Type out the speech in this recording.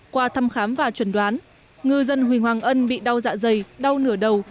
qua thăm khám và chuẩn đoán ngư dân huỳnh hoàng ân bị đau dạ dày đau nửa đầu